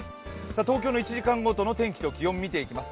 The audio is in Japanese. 東京の１時間ごとの雨と気温を見ていきます。